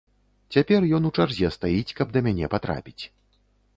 Цяпер ён у чарзе стаіць, каб да мяне патрапіць.